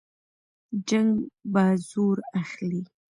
جنګ به زور اخلي.